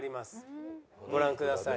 ご覧ください。